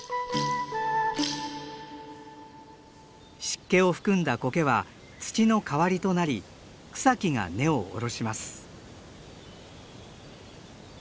湿気を含んだコケは土の代わりとなり草木が根を下ろします。